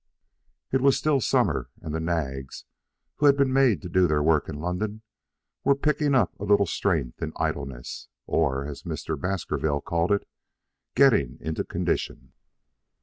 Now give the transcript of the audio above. It was still summer, and the nags, who had been made to do their work in London, were picking up a little strength in idleness, or, as Mr. Baskerville called it, getting into condition.